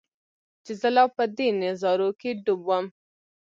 چې زۀ لا پۀ دې نظارو کښې ډوب ووم